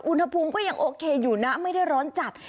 อุณหภูมิก็ยังโอเคอยู่นะไม่ได้ร้อนจัด